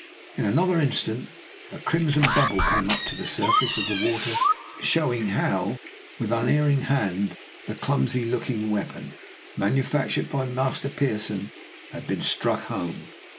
In another instant a crimson bubble came up to the surface of the water, showing with how unerring a hand the clumsy looking weapon manufactured by Master Pearson had been struck home.